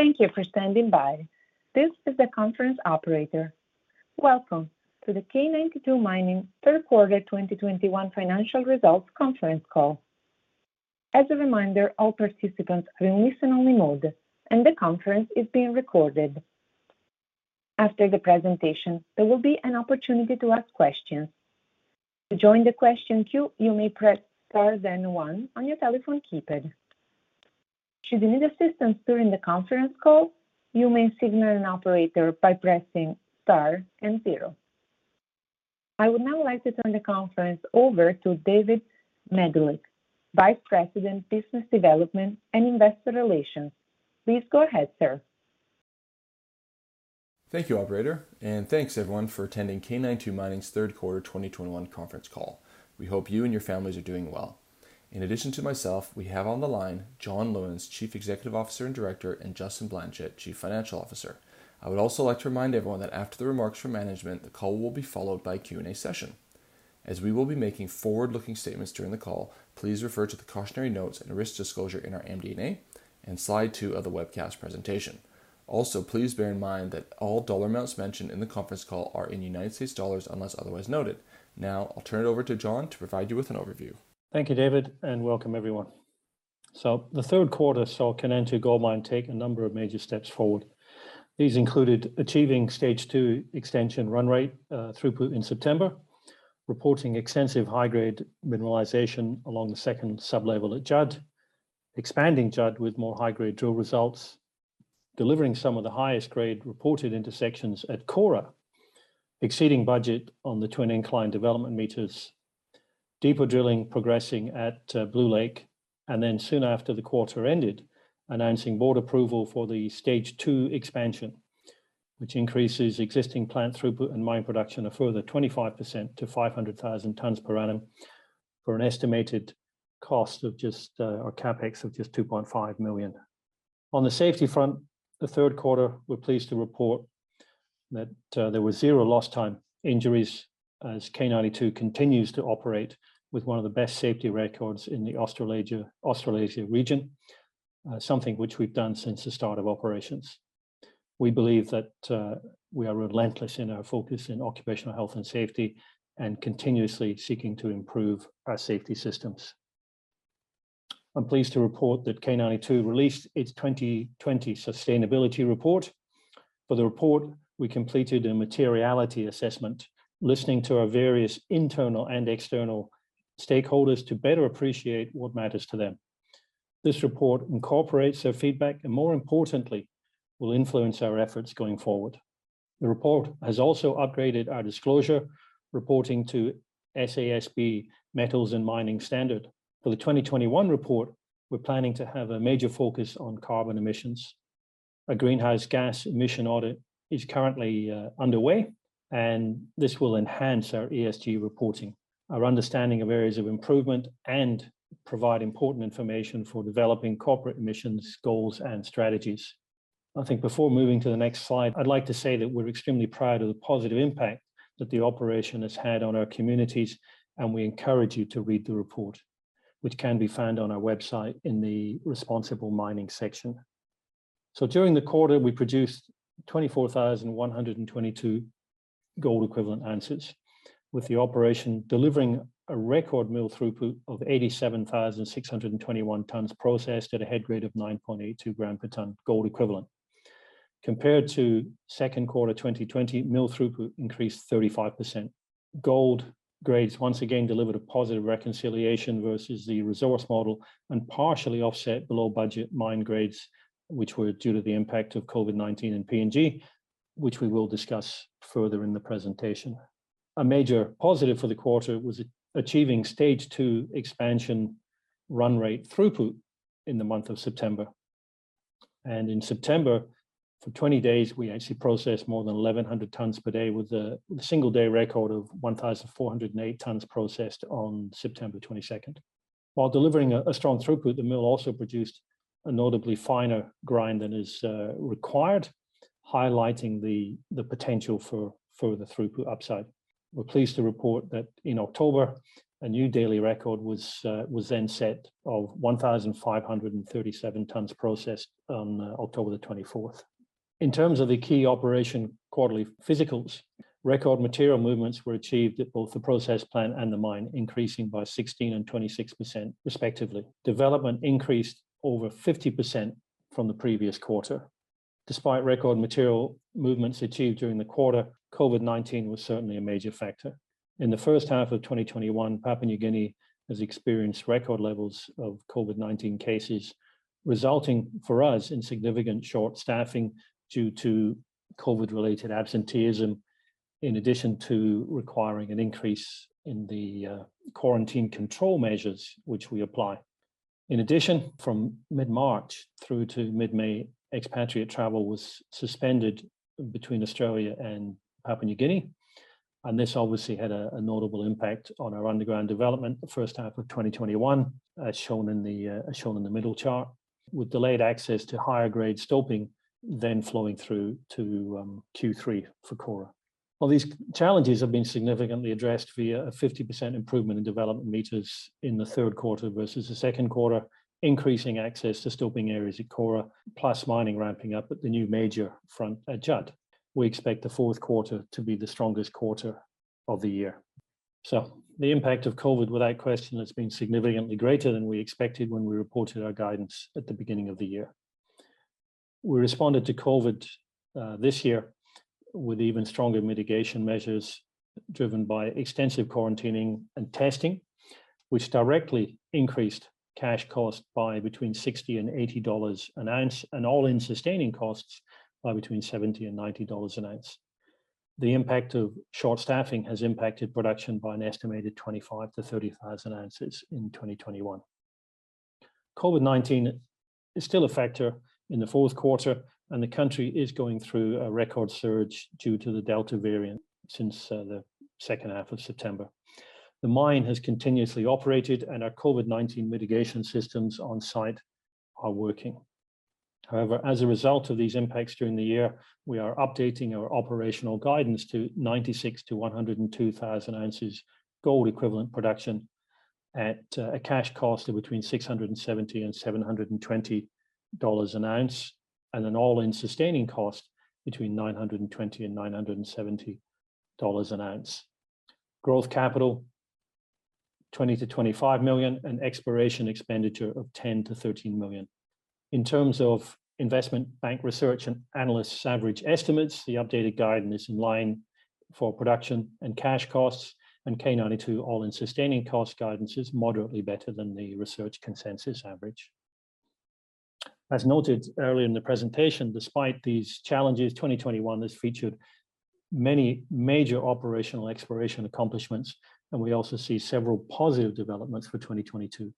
Thank you for standing by. This is the conference operator. Welcome to the K92 Mining Third Quarter 2021 Financial Results Conference Call. As a reminder, all participants are in listen-only mode, and the conference is being recorded. After the presentation, there will be an opportunity to ask questions. To join the question queue, you may press star then one on your telephone keypad. Should you need assistance during the conference call, you may signal an operator by pressing star and zero. I would now like to turn the conference over to David Medilek, Vice President, Business Development and Investor Relations. Please go ahead, sir. Thank you, operator, and thanks everyone for attending K92 Mining's third quarter 2021 conference call. We hope you and your families are doing well. In addition to myself, we have on the line John Lewins, Chief Executive Officer and Director; and Justin Blanchet, Chief Financial Officer. I would also like to remind everyone that after the remarks from management, the call will be followed by a Q&A session. As we will be making forward-looking statements during the call, please refer to the cautionary notes and risk disclosure in our MD&A and slide two of the webcast presentation. Also, please bear in mind that all dollar amounts mentioned in the conference call are in United States dollars, unless otherwise noted. Now, I'll turn it over to John to provide you with an overview. Thank you, David, and welcome everyone. The third quarter saw Kainantu Gold Mine take a number of major steps forward. These included achieving Stage 2 extension run rate, throughput in September, reporting extensive high-grade mineralization along the second sublevel at Judd, expanding Judd with more high-grade drill results, delivering some of the highest grade reported intersections at Kora, exceeding budget on the twin incline development m, deeper drilling progressing at Blue Lake, and then soon after the quarter ended, announcing board approval for the Stage 2 expansion, which increases existing plant throughput and mine production a further 25% to 500,000 tons per annum for an estimated cost of just, or CapEx of just $2.5 million. On the safety front, the third quarter, we're pleased to report that there was zero lost time injuries as K92 continues to operate with one of the best safety records in the Australasia region. Something which we've done since the start of operations. We believe that we are relentless in our focus in occupational health and safety and continuously seeking to improve our safety systems. I'm pleased to report that K92 released its 2020 sustainability report. For the report, we completed a materiality assessment, listening to our various internal and external stakeholders to better appreciate what matters to them. This report incorporates their feedback, and more importantly, will influence our efforts going forward. The report has also upgraded our disclosure, reporting to SASB Metals and Mining Standard. For the 2021 report, we're planning to have a major focus on carbon emissions. A greenhouse gas emission audit is currently underway, and this will enhance our ESG reporting, our understanding of areas of improvement, and provide important information for developing corporate emissions goals and strategies. I think before moving to the next slide, I'd like to say that we're extremely proud of the positive impact that the operation has had on our communities, and we encourage you to read the report, which can be found on our website in the Responsible Mining section. During the quarter, we produced 24,122 gold equivalent oz, with the operation delivering a record mill throughput of 87,621 tons processed at a head grade of 9.82 g per ton gold equivalent. Compared to second quarter 2020, mill throughput increased 35%. Gold grades once again delivered a positive reconciliation versus the resource model and partially offset below budget mine grades, which were due to the impact of COVID-19 in PNG, which we will discuss further in the presentation. A major positive for the quarter was achieving Stage 2 expansion run rate throughput in the month of September. In September, for 20 days, we actually processed more than 1,100 tons per day with the single day record of 1,408 tons processed on September 22. While delivering a strong throughput, the mill also produced a notably finer grind than is required, highlighting the potential for further throughput upside. We're pleased to report that in October, a new daily record was then set of 1,537 tons processed on October 24. In terms of the key operation quarterly physicals, record material movements were achieved at both the process plant and the mine, increasing by 16% and 26% respectively. Development increased over 50% from the previous quarter. Despite record material movements achieved during the quarter, COVID-19 was certainly a major factor. In the first half of 2021, Papua New Guinea has experienced record levels of COVID-19 cases, resulting for us in significant short-staffing due to COVID-related absenteeism, in addition to requiring an increase in the quarantine control measures which we apply. In addition, from mid-March through to mid-May, expatriate travel was suspended between Australia and Papua New Guinea, and this obviously had a notable impact on our underground development the first half of 2021, as shown in the middle chart, with delayed access to higher grade stoping then flowing through to Q3 for Kora. Well, these challenges have been significantly addressed via a 50% improvement in development m in the third quarter versus the second quarter, increasing access to stoping areas at Kora, plus mining ramping up at the new major front at Judd. We expect the fourth quarter to be the strongest quarter of the year. The impact of COVID, without question, has been significantly greater than we expected when we reported our guidance at the beginning of the year. We responded to COVID this year with even stronger mitigation measures, driven by extensive quarantining and testing, which directly increased cash cost by between $60-$80 an oz, and all-in sustaining costs by between $70-$90 an oz. The impact of short staffing has impacted production by an estimated 25,000 oz-30,000 oz in 2021. COVID-19 is still a factor in the fourth quarter, and the country is going through a record surge due to the Delta variant since the second half of September. The mine has continuously operated, and our COVID-19 mitigation systems on site are working. However, as a result of these impacts during the year, we are updating our operational guidance to 96,000 oz-102,000 oz gold equivalent production at a cash cost of between $670-$720 an oz, and an all-in sustaining cost between $920-$970 an oz. Growth capital, $20 million-$25 million, and exploration expenditure of $10 million-$13 million. In terms of investment bank research and analysts' average estimates, the updated guidance is in line for production and cash costs, and K92 all-in sustaining cost guidance is moderately better than the research consensus average. As noted earlier in the presentation, despite these challenges, 2021 has featured many major operational exploration accomplishments, and we also see several positive developments for 2022.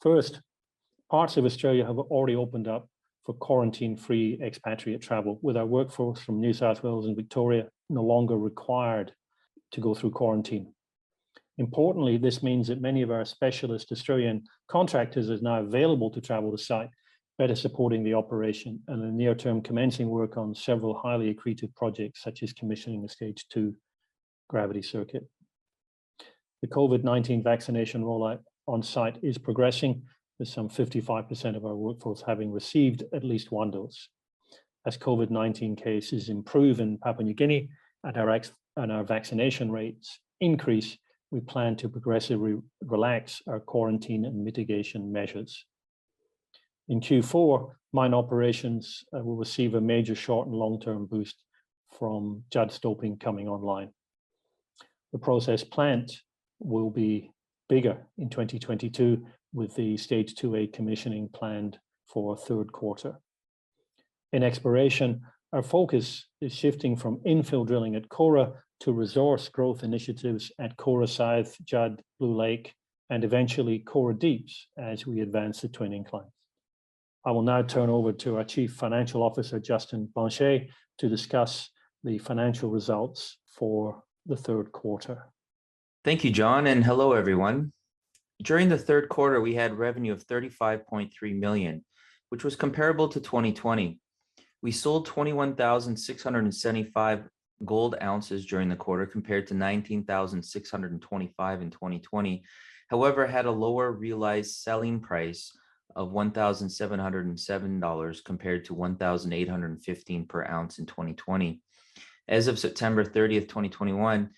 First, parts of Australia have already opened up for quarantine-free expatriate travel, with our workforce from New South Wales and Victoria no longer required to go through quarantine. Importantly, this means that many of our specialist Australian contractors are now available to travel the site, better supporting the operation and the near-term commencing work on several highly accretive projects, such as commissioning the Stage 2 gravity circuit. The COVID-19 vaccination rollout on site is progressing, with some 55% of our workforce having received at least one dose. As COVID-19 cases improve in Papua New Guinea and our vaccination rates increase, we plan to progressively relax our quarantine and mitigation measures. In Q4, mine operations will receive a major short and long-term boost from Judd stoping coming online. The process plant will be bigger in 2022, with the Stage 2A commissioning planned for third quarter. In exploration, our focus is shifting from infill drilling at Kora to resource growth initiatives at Kora South, Judd, Blue Lake, and eventually Kora Deeps as we advance the twin incline. I will now turn over to our Chief Financial Officer, Justin Blanchet, to discuss the financial results for the third quarter. Thank you, John, and hello, everyone. During the third quarter, we had revenue of $35.3 million, which was comparable to 2020. We sold 21,675 gold oz during the quarter, compared to 19,625 oz in 2020. However, we had a lower realized selling price of $1,707 compared to $1,815 per oz in 2020. As of September 30, 2021,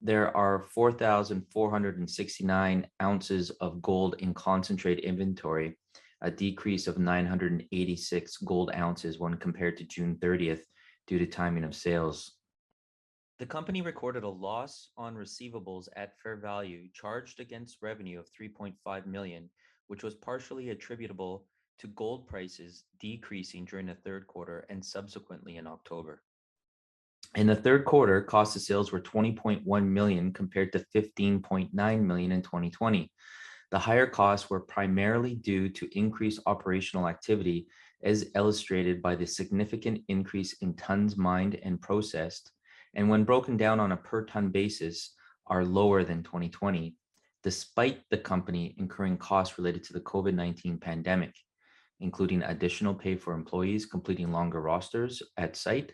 there are 4,469 oz of gold in concentrate inventory, a decrease of 986 gold oz when compared to June 30 due to timing of sales. The company recorded a loss on receivables at fair value charged against revenue of $3.5 million, which was partially attributable to gold prices decreasing during the third quarter and subsequently in October. In the third quarter, cost of sales were $20.1 million compared to $15.9 million in 2020. The higher costs were primarily due to increased operational activity, as illustrated by the significant increase in tons mined and processed, and when broken down on a per ton basis, are lower than 2020, despite the company incurring costs related to the COVID-19 pandemic, including additional pay for employees completing longer rosters at site,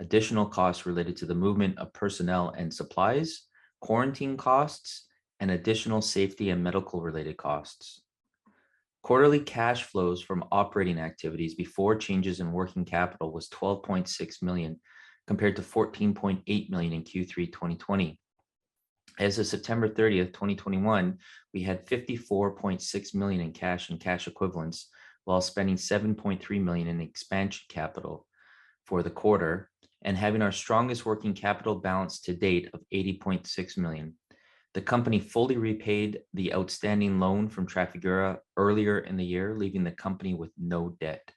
additional costs related to the movement of personnel and supplies, quarantine costs, and additional safety and medical-related costs. Quarterly cash flows from operating activities before changes in working capital was $12.6 million, compared to $14.8 million in Q3 2020. As of September 30, 2021, we had $54.6 million in cash and cash equivalents, while spending $7.3 million in expansion capital for the quarter and having our strongest working capital balance to date of $80.6 million. The company fully repaid the outstanding loan from Trafigura earlier in the year, leaving the company with no debt.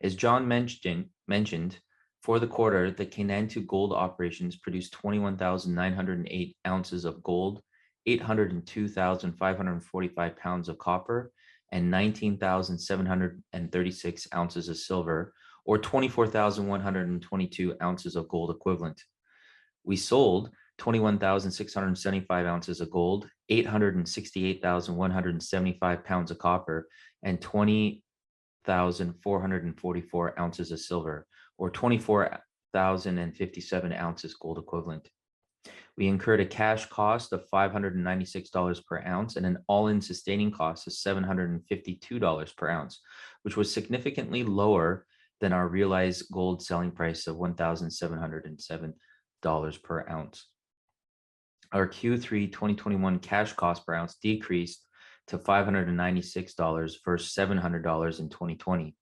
As John mentioned, for the quarter, the Kainantu Gold Operations produced 21,908 oz of gold, 802,545 lbs of copper, and 19,736 oz of silver, or 24,122 oz of gold equivalent. We sold 21,675 oz of gold, 868,175 lbs of copper, and 20,444 oz of silver, or 24,057 oz gold equivalent. We incurred a cash cost of $596 per oz and an all-in sustaining cost of $752 per oz, which was significantly lower than our realized gold selling price of $1,707 per oz. Our Q3 2021 cash cost per oz decreased to $596 versus $700 in 2020.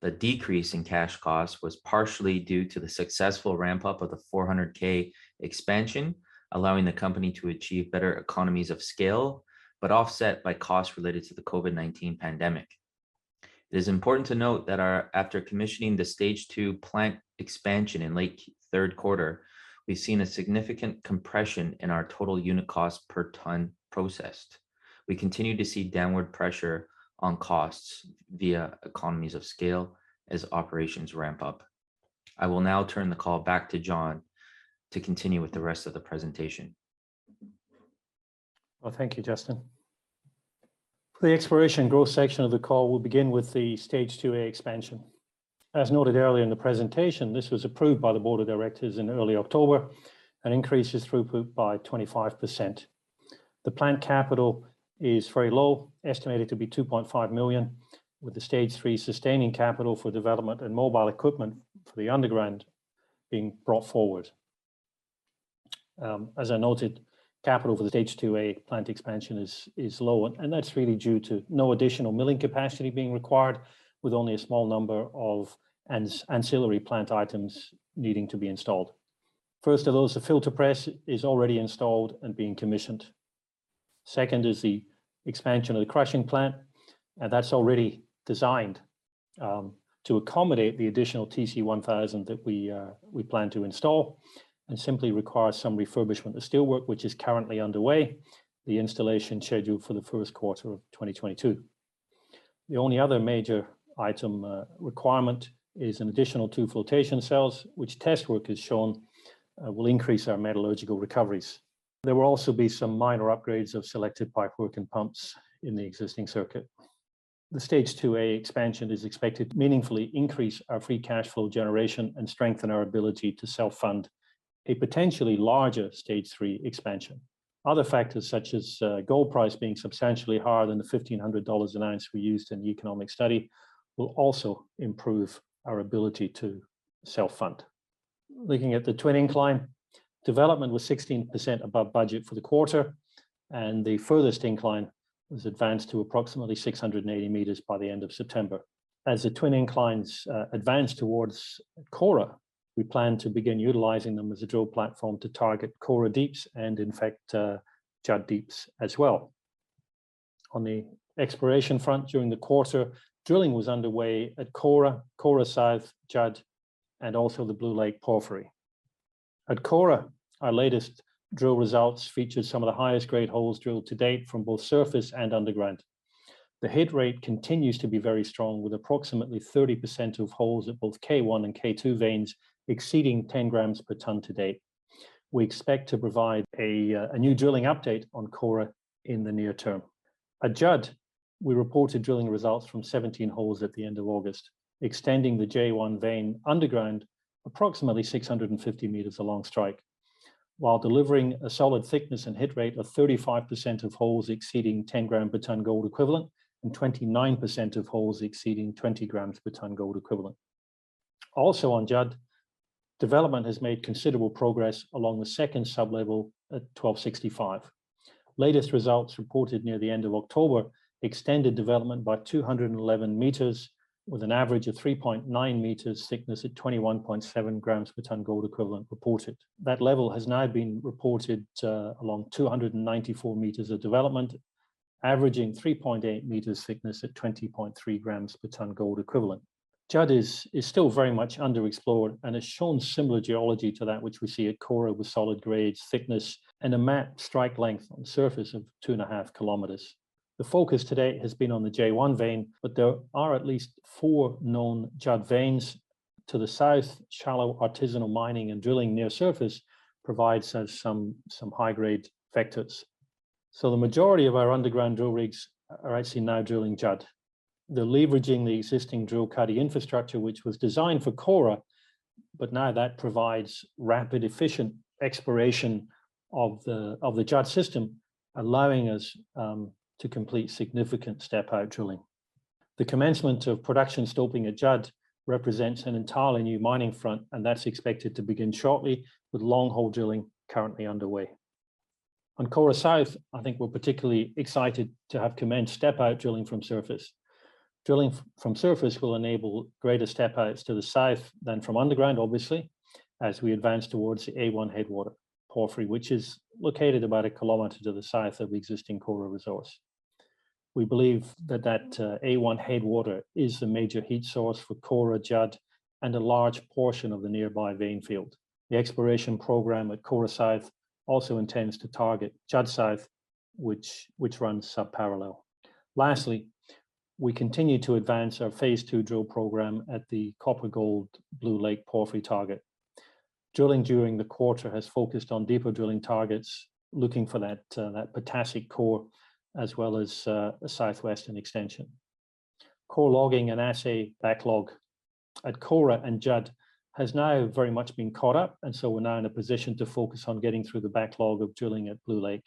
The decrease in cash cost was partially due to the successful ramp up of the 400k expansion, allowing the company to achieve better economies of scale, but offset by costs related to the COVID-19 pandemic. It is important to note that after commissioning the Stage 2 plant expansion in late third quarter, we've seen a significant compression in our total unit cost per ton processed. We continue to see downward pressure on costs via economies of scale as operations ramp up. I will now turn the call back to John to continue with the rest of the presentation. Well, thank you, Justin. The exploration growth section of the call will begin with the Stage 2A expansion. As noted earlier in the presentation, this was approved by the board of directors in early October and increases throughput by 25%. The plant capital is very low, estimated to be $2.5 million, with the Stage 3 sustaining capital for development and mobile equipment for the underground being brought forward. As I noted, capital for the Stage 2A plant expansion is low, and that's really due to no additional milling capacity being required with only a small number of ancillary plant items needing to be installed. First of those, the filter press is already installed and being commissioned. Second is the expansion of the crushing plant, and that's already designed to accommodate the additional TC-1000 that we plan to install and simply requires some refurbishment of steelwork, which is currently underway, the installation scheduled for the first quarter of 2022. The only other major item requirement is an additional two flotation cells, which test work has shown will increase our metallurgical recoveries. There will also be some minor upgrades of selected pipework and pumps in the existing circuit. The Stage 2A expansion is expected to meaningfully increase our free cash flow generation and strengthen our ability to self-fund a potentially larger Stage 3 expansion. Other factors, such as gold price being substantially higher than the $1,500 an oz we used in the economic study, will also improve our ability to self-fund. Looking at the Twin Incline, development was 16% above budget for the quarter, and the furthest incline was advanced to approximately 680 m by the end of September. As the Twin Inclines advance towards Kora, we plan to begin utilizing them as a drill platform to target Kora Deeps and in fact, Judd Deeps as well. On the exploration front during the quarter, drilling was underway at Kora South, Judd, and also the Blue Lake Porphyry. At Kora, our latest drill results featured some of the highest grade holes drilled to date from both surface and underground. The hit rate continues to be very strong, with approximately 30% of holes at both K1 and K2 veins exceeding 10 g per ton to date. We expect to provide a new drilling update on Kora in the near term. At Judd, we reported drilling results from 17 holes at the end of August, extending the J1 vein underground approximately 650 m along strike, while delivering a solid thickness and hit rate of 35% of holes exceeding 10 g per ton gold equivalent and 29% of holes exceeding 20 g per ton gold equivalent. Also on Judd, development has made considerable progress along the second sublevel at 1,265. Latest results reported near the end of October extended development by 211 m with an average of 3.9 m thickness at 21.7 g per ton gold equivalent reported. That level has now been developed along 294 m of development, averaging 3.8 m thickness at 20.3 g per ton gold equivalent. Judd is still very much underexplored and has shown similar geology to that which we see at Kora with solid grade thickness and a max strike length on the surface of 2.5 km. The focus today has been on the J-one vein, but there are at least four known Judd veins to the south. Shallow artisanal mining and drilling near surface provides us some high-grade vectors. The majority of our underground drill rigs are actually now drilling Judd. They're leveraging the existing drill cuddy infrastructure, which was designed for Kora, but now that provides rapid, efficient exploration of the Judd system, allowing us to complete significant step out drilling. The commencement of production stoping at Judd represents an entirely new mining front, and that's expected to begin shortly with long-haul drilling currently underway. On Kora South, I think we're particularly excited to have commenced step out drilling from surface. Drilling from surface will enable greater step outs to the south than from underground, obviously, as we advance towards the A1 Headwater, which is located about a km to the south of the existing Kora resource. We believe A1 Headwater is the major heat source for Kora, Judd, and a large portion of the nearby vein field. The exploration prog at Kora South also intends to target Judd South, which runs subparallel. Lastly, we continue to advance our phase two drill prog at the copper gold Blue Lake porphyry target. Drilling during the quarter has focused on deeper drilling targets, looking for that potassic core as well as a southwestern extension. Core logging and assay backlog at Kora and Judd has now very much been caught up, and so we're now in a position to focus on getting through the backlog of drilling at Blue Lake.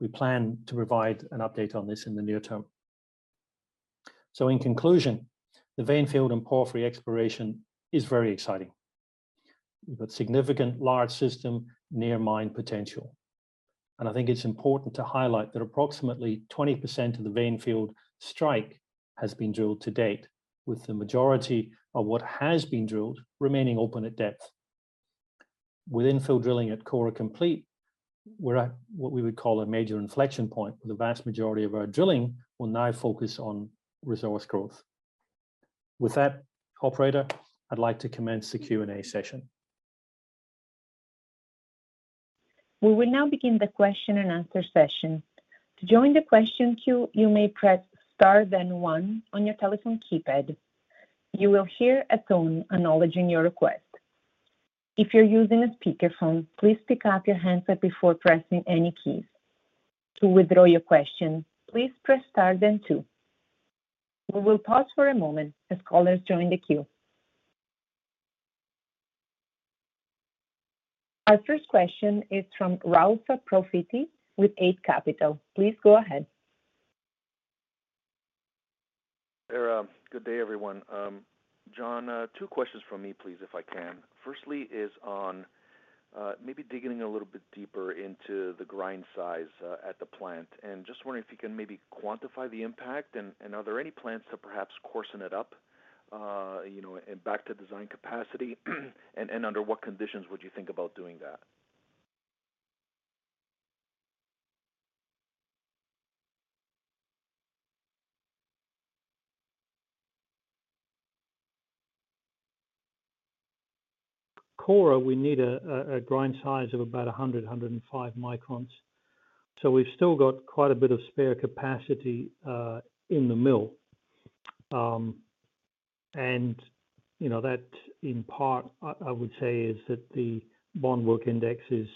We plan to provide an update on this in the near term. In conclusion, the veinfield and porphyry exploration is very exciting. We've got significant large system near mine potential. I think it's important to highlight that approximately 20% of the veinfield strike has been drilled to date, with the majority of what has been drilled remaining open at depth. With infill drilling at Kora complete, we're at what we would call a major inflection point, where the vast majority of our drilling will now focus on resource growth. With that, operator, I'd like to commence the Q&A session. We will now begin the question and answer session. To join the question queue, you may press star then one on your telephone keypad. You will hear a tone acknowledging your request. If you're using a speakerphone, please pick up your handset before pressing any keys. To withdraw your question, please press star then two. We will pause for a moment as callers join the queue. Our first question is from Ralph Profiti with Eight Capital. Please go ahead. Good day, everyone. John, two questions from me, please, if I can. Firstly is on maybe digging a little bit deeper into the grind size at the plant. Just wondering if you can maybe quantify the impact and are there any plans to perhaps coarsen it up, you know, back to design capacity? Under what conditions would you think about doing that? Kora, we need a grind size of about 105 µm. We've still got quite a bit of spare capacity in the mill. You know, that in part I would say is that the Bond work index is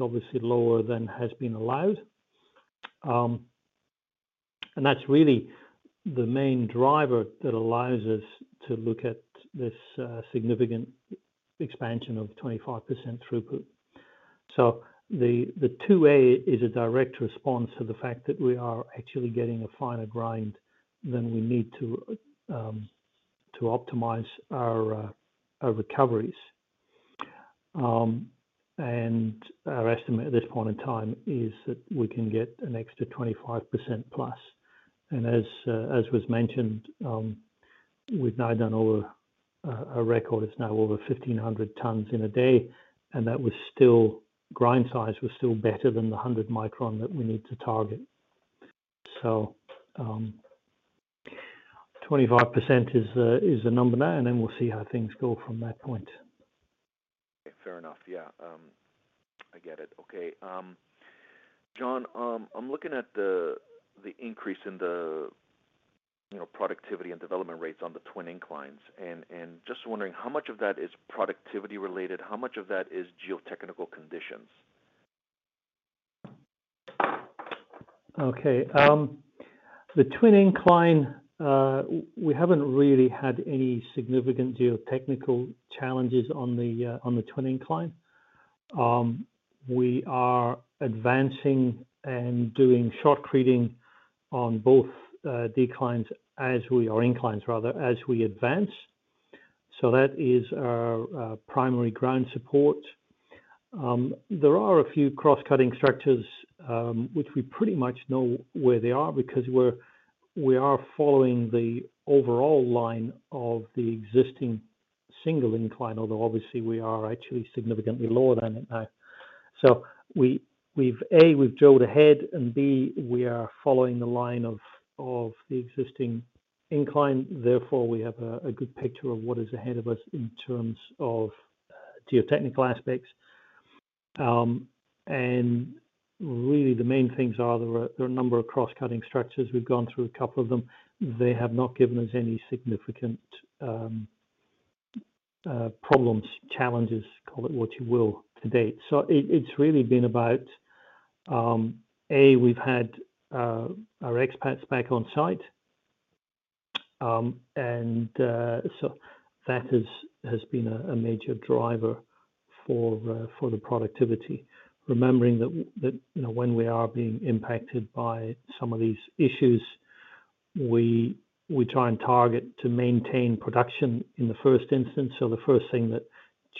obviously lower than has been allowed. That's really the main driver that allows us to look at this significant expansion of 25% throughput. Stage 2A is a direct response to the fact that we are actually getting a finer grind than we need to to optimize our recoveries. Our estimate at this point in time is that we can get an extra 25%+. As was mentioned, we've now done over a record. It's now over 1,500 tons in a day, and that was still, grind size was still better than the 100 µm that we need to target. 25% is the number now, and then we'll see how things go from that point. Fair enough. Yeah. I get it. Okay. John, I'm looking at the increase in, you know, productivity and development rates on the twin inclines. Just wondering how much of that is productivity related? How much of that is geotechnical conditions? Okay. The Twin Incline, we haven't really had any significant geotechnical challenges on the Twin Incline. We are advancing and doing shotcreting on both declines as we or inclines rather, as we advance. That is our primary ground support. There are a few cross-cutting structures, which we pretty much know where they are because we are following the overall line of the existing single incline, although obviously we are actually significantly lower than it now. We've A, drilled ahead, and B, we are following the line of the existing incline. Therefore, we have a good picture of what is ahead of us in terms of geotechnical aspects. Really the main things are there are a number of cross-cutting structures. We've gone through a couple of them. They have not given us any significant problems, challenges, call it what you will, to date. It's really been about we've had our expats back on site. That has been a major driver for the productivity. Remembering that, you know, when we are being impacted by some of these issues, we try and target to maintain production in the first instance. The first thing that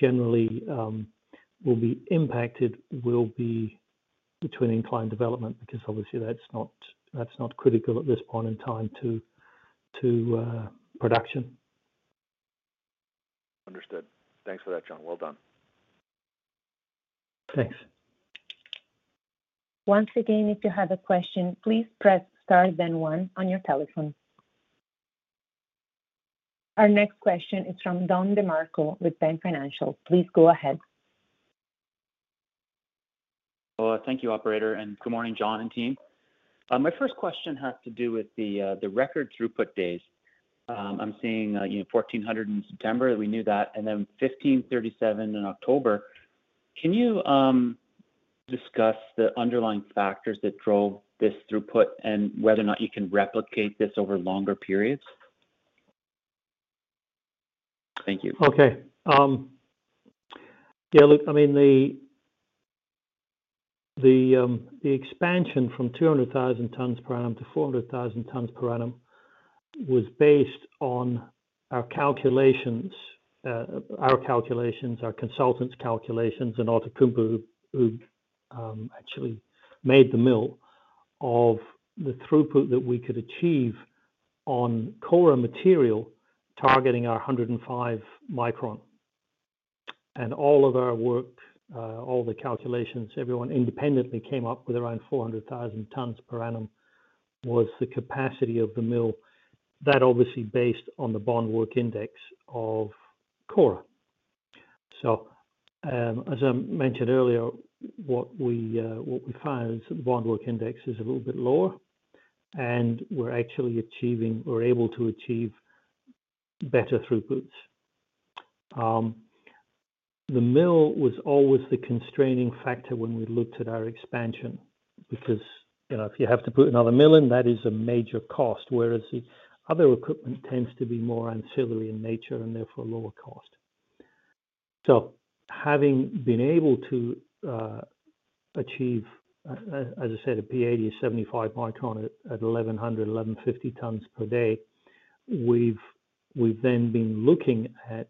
generally will be impacted will be the twin incline development, because obviously that's not critical at this point in time to production. Understood. Thanks for that, John. Well done. Thanks. Once again, if you have a question, please press star then one on your telephone. Our next question is from Don DeMarco with Bank Financial. Please go ahead. Thank you, operator, and good morning, John and team. My first question has to do with the record throughput days. I'm seeing, you know, 1,400 in September, we knew that, and then 1,537 in October. Can you discuss the underlying factors that drove this throughput and whether or not you can replicate this over longer periods? Thank you. Okay. Yeah, look, I mean, the expansion from 200,000 tons per annum to 400,000 tons per annum was based on our calculations, our consultants' calculations, and Outokumpu, who actually made the mill, of the throughput that we could achieve on Kora material, targeting our 105 µm. All of our work, all the calculations, everyone independently came up with around 400,000 tons per annum was the capacity of the mill. That obviously based on the Bond work index of Kora. As I mentioned earlier, what we found is that the Bond work index is a little bit lower, and we're actually achieving or able to achieve better throughputs. The mill was always the constraining factor when we looked at our expansion because, you know, if you have to put another mill in, that is a major cost, whereas the other equipment tends to be more ancillary in nature and therefore lower cost. Having been able to achieve, as I said, a P80 of 75 µm at 1,100, 1,150 tons per day, we've then been looking at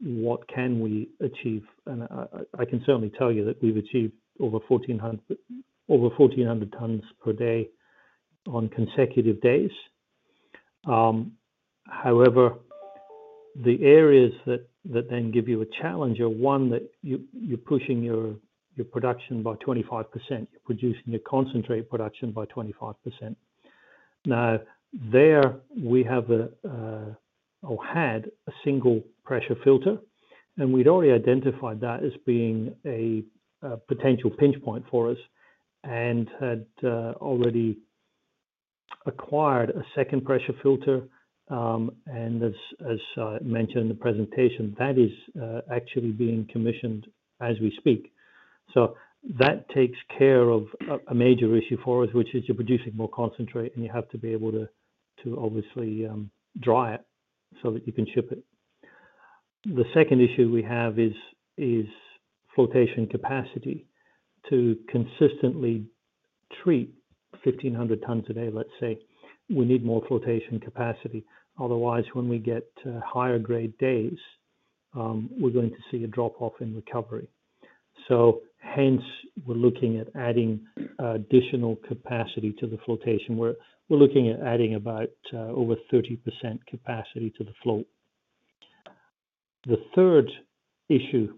what can we achieve. I can certainly tell you that we've achieved over 1,400 tons per day on consecutive days. However, the areas that then give you a challenge are one, that you're pushing your production by 25%. You're producing your concentrate production by 25%. Now, there we have or had a single pressure filter, and we'd already identified that as being a potential pinch point for us and had already acquired a second pressure filter. As I mentioned in the presentation, that is actually being commissioned as we speak. That takes care of a major issue for us, which is you're producing more concentrate, and you have to be able to obviously dry it so that you can ship it. The second issue we have is flotation capacity. To consistently treat 1,500 tons a day, let's say, we need more flotation capacity. Otherwise, when we get to higher grade days, we're going to see a drop-off in recovery. Hence, we're looking at adding additional capacity to the flotation. We're looking at adding about over 30% capacity to the float. The third issue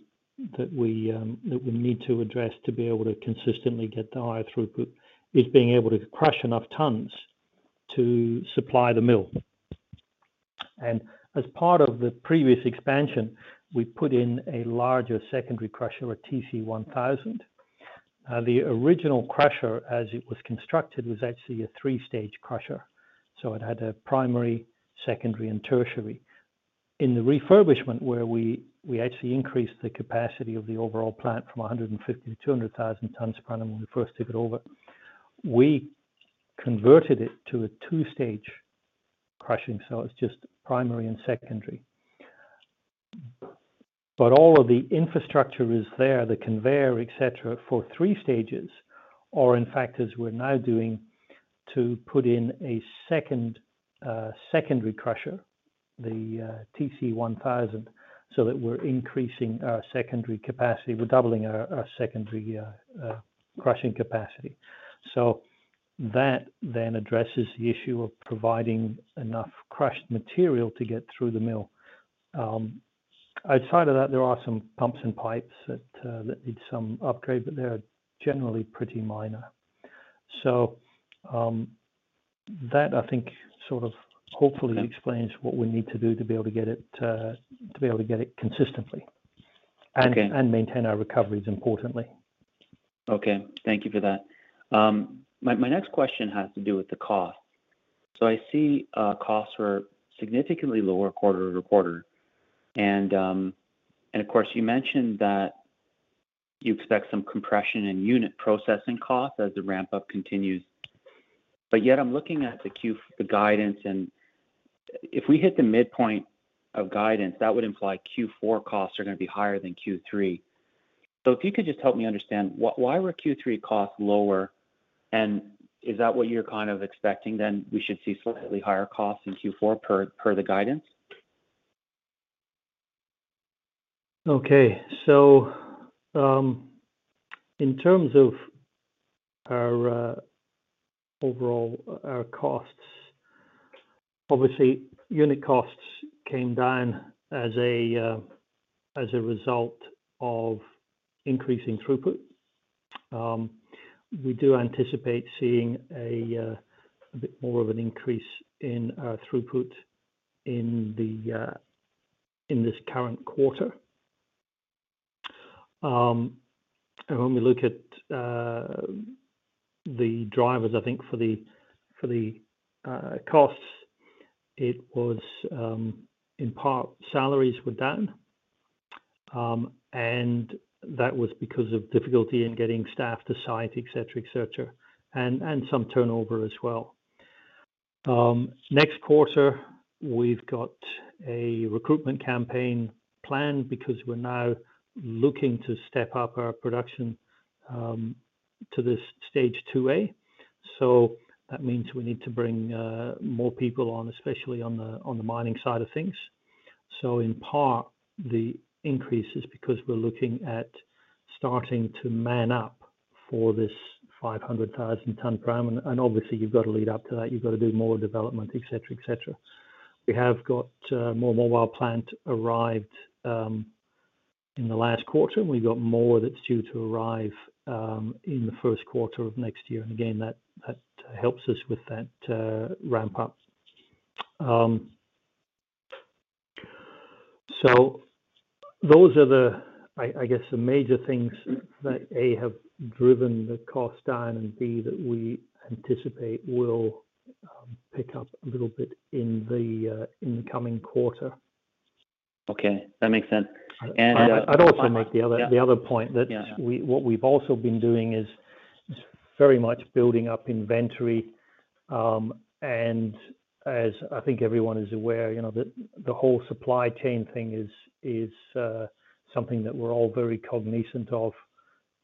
that we need to address to be able to consistently get the higher throughput is being able to crush enough tons to supply the mill. As part of the previous expansion, we put in a larger secondary crusher, a TC1000. The original crusher, as it was constructed, was actually a three-stage crusher. It had a primary, secondary, and tertiary. In the refurbishment, where we actually increased the capacity of the overall plant from 150,000 to 200,000 tons per annum when we first took it over, we converted it to a two-stage crushing, so it's just primary and secondary. All of the infrastructure is there, the conveyor, et cetera, for three stages, or in fact, as we're now doing to put in a second secondary crusher, the TC1000, so that we're increasing our secondary capacity. We're doubling our secondary crushing capacity. So that then addresses the issue of providing enough crushed material to get through the mill. Outside of that, there are some pumps and pipes that need some upgrade, but they are generally pretty minor. So, that I think sort of hopefully explains what we need to do to be able to get it consistently. Okay Maintain our recoveries, importantly. Okay. Thank you for that. My next question has to do with the cost. I see costs were significantly lower quarter-over-quarter. Of course, you mentioned that you expect some compression in unit processing costs as the ramp-up continues. Yet I'm looking at the guidance, and if we hit the midpoint of guidance, that would imply Q4 costs are gonna be higher than Q3. If you could just help me understand why Q3 costs were lower, and is that what you're kind of expecting, then we should see slightly higher costs in Q4 per the guidance? Okay. In terms of our overall costs, obviously unit costs came down as a result of increasing throughput. We do anticipate seeing a bit more of an increase in our throughput in this current quarter. When we look at the drivers, I think for the costs, it was in part salaries were down, and that was because of difficulty in getting staff to site, et cetera, and some turnover as well. Next quarter, we've got a recruitment campaign planned because we're now looking to step up our production to this Stage 2A. That means we need to bring more people on, especially on the mining side of things. In part, the increase is because we're looking at starting to man up for this 500,000 tonne p.a. Obviously you've got to lead up to that. You've got to do more development, et cetera, et cetera. We have got more mobile plant arrived in the last quarter. We've got more that's due to arrive in the first quarter of next year. Again, that helps us with that ramp up. Those are the, I guess, the major things that, A, have driven the cost down and, B, that we anticipate will pick up a little bit in the coming quarter. Okay. That makes sense. I'd also make the other- Yeah. The other point that- Yeah. What we've also been doing is very much building up inventory. As I think everyone is aware, you know, the whole supply chain thing is something that we're all very cognizant of.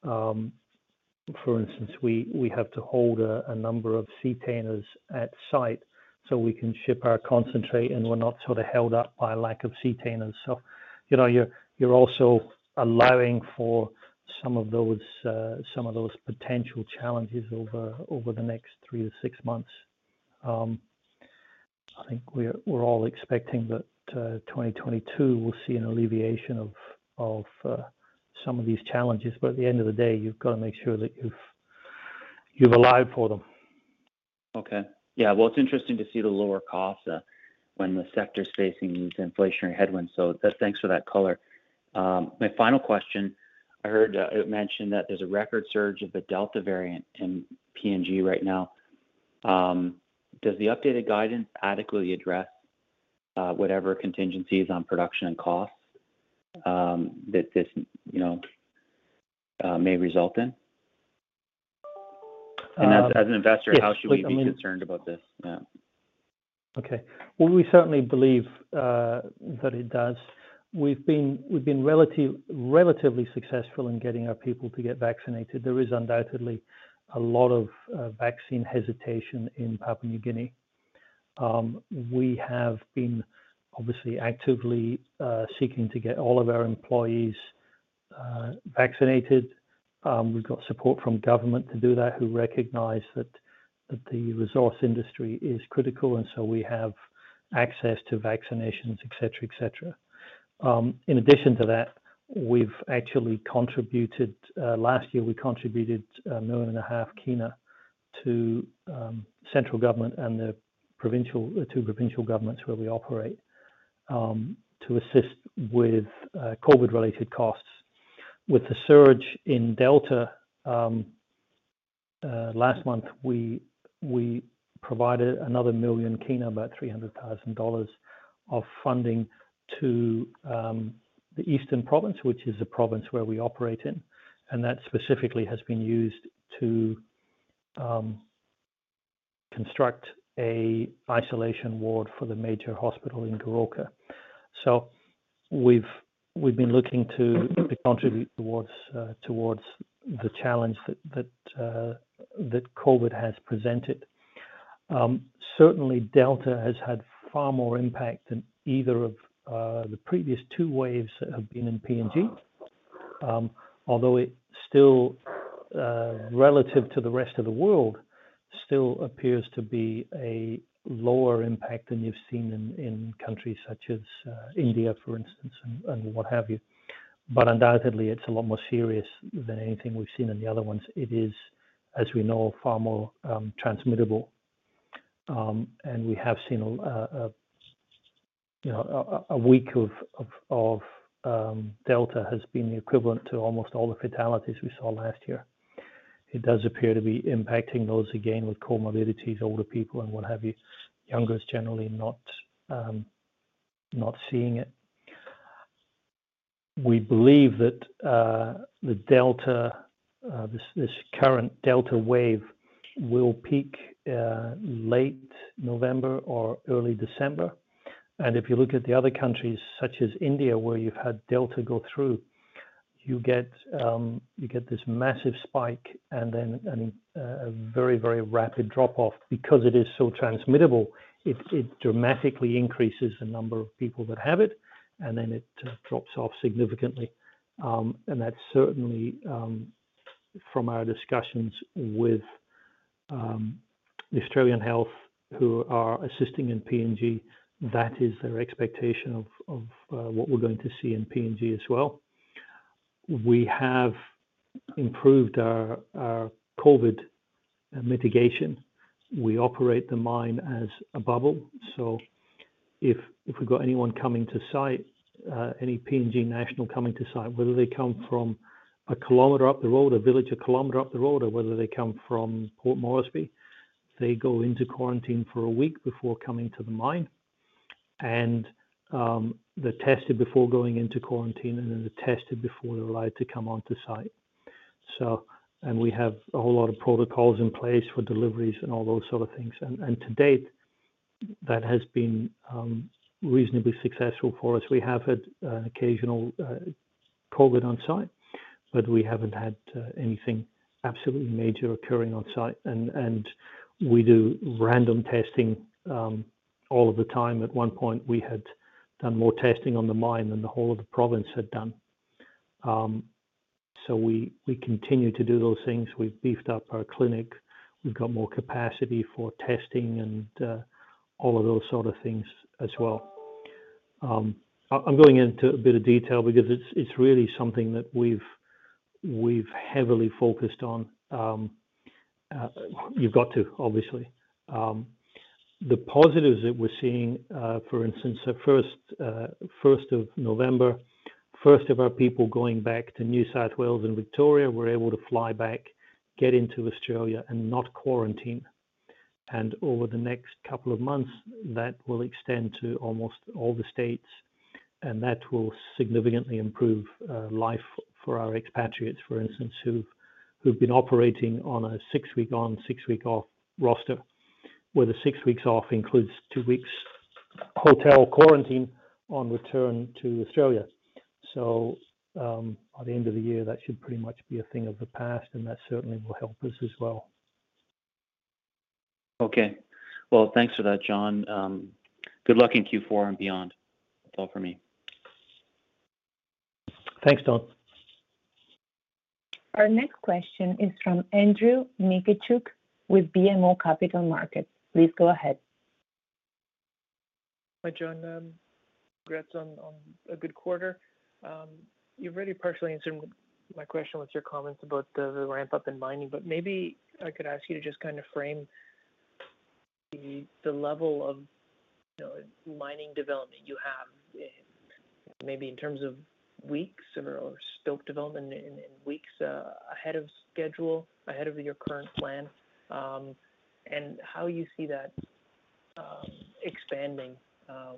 For instance, we have to hold a number of containers at site so we can ship our concentrate and we're not sort of held up by lack of containers. You know, you're also allowing for some of those potential challenges over the next three to six months. I think we're all expecting that 2022 will see an alleviation of some of these challenges. At the end of the day, you've got to make sure that you've allowed for them. Okay. Yeah. Well, it's interesting to see the lower costs when the sector's facing these inflationary headwinds. Thanks for that color. My final question, I heard it mentioned that there's a record surge of the Delta variant in PNG right now. Does the updated guidance adequately address whatever contingencies on production and costs that this, you know, may result in? Um. As an investor. Yes. Look, I mean. How should we be concerned about this? Yeah. Okay. Well, we certainly believe that it does. We've been relatively successful in getting our people to get vaccinated. There is undoubtedly a lot of vaccine hesitation in Papua New Guinea. We have been obviously actively seeking to get all of our employees vaccinated. We've got support from government to do that, who recognize that the resource industry is critical, and so we have access to vaccinations, et cetera. In addition to that, last year, we contributed PGK 1.5 million to central government and the two provincial governments where we operate to assist with COVID-related costs. With the surge in Delta last month, we provided another million kina, about $300,000 of funding to the Eastern Highlands Province, which is the province where we operate in. That specifically has been used to construct an isolation ward for the major hospital in Goroka. We've been looking to contribute towards the challenge that COVID has presented. Certainly Delta has had far more impact than either of the previous two waves that have been in PNG. Although it still, relative to the rest of the world, still appears to be a lower impact than you've seen in countries such as India, for instance, and what have you. Undoubtedly, it's a lot more serious than anything we've seen in the other ones. It is, as we know, far more transmittable. We have seen, you know, Delta has been equivalent to almost all the fatalities we saw last year. It does appear to be impacting those, again, with comorbidities, older people, and what have you. Younger people generally not seeing it. We believe that the Delta, this current Delta wave, will peak late November or early December. If you look at the other countries such as India, where you've had Delta go through, you get this massive spike and then a very rapid drop-off. Because it is so transmittable, it dramatically increases the number of people that have it, and then it drops off significantly. That's certainly from our discussions with the Australian Health who are assisting in PNG, that is their expectation of what we're going to see in PNG as well. We have improved our COVID mitigation. We operate the mine as a bubble. If we've got anyone coming to site, any PNG national coming to site, whether they come from a km up the road, a village a kilometer up the road, or whether they come from Port Moresby, they go into quarantine for a week before coming to the mine. They're tested before going into quarantine, and then they're tested before they're allowed to come onto site. We have a whole lot of protocols in place for deliveries and all those sort of things. To date, that has been reasonably successful for us. We have had occasional COVID on site, but we haven't had anything absolutely major occurring on site. We do random testing all of the time. At one point, we had done more testing on the mine than the whole of the province had done. We continue to do those things. We've beefed up our clinic. We've got more capacity for testing and all of those sort of things as well. I'm going into a bit of detail because it's really something that we've heavily focused on. You've got to, obviously. The positives that we're seeing, for instance, the first of November, first of our people going back to New South Wales and Victoria were able to fly back, get into Australia and not quarantine. Over the next couple of months, that will extend to almost all the states, and that will significantly improve life for our expatriates, for instance, who've been operating on a six-week on, six-week off roster, where the six weeks off includes two weeks hotel quarantine on return to Australia. By the end of the year, that should pretty much be a thing of the past, and that certainly will help us as well. Okay. Well, thanks for that, John. Good luck in Q4 and beyond. That's all for me. Thanks, Don. Our next question is from Andrew Mikitchook with BMO Capital Markets. Please go ahead. Hi, John. Congrats on a good quarter. You've already partially answered my question with your comments about the ramp up in mining, but maybe I could ask you to just kinda frame the level of, you know, mining development you have, maybe in terms of weeks or stope development in weeks ahead of schedule, ahead of your current plan, and how you see that expanding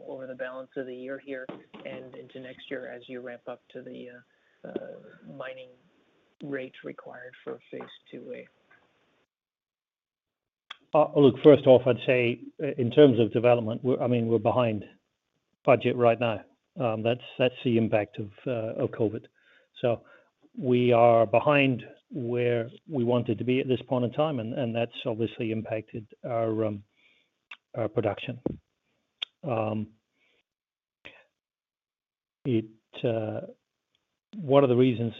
over the balance of the year here and into next year as you ramp up to the mining rates required for Phase 2A. Look, first off, I'd say in terms of development, I mean, we're behind budget right now. That's the impact of COVID. We are behind where we wanted to be at this point in time, and that's obviously impacted our production. One of the reasons